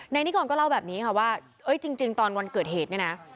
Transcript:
นิกรก็เล่าแบบนี้ค่ะว่าจริงตอนวันเกิดเหตุเนี่ยนะ